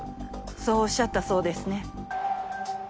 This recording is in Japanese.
そうおっしゃったそうですね。